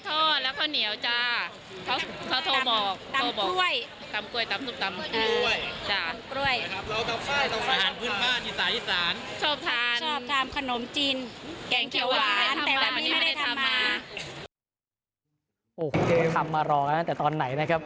โอ้โหทำมารอกันตั้งแต่ตอนไหนนะครับ